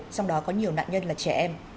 trong đó có nhiều nạn nhân là trẻ em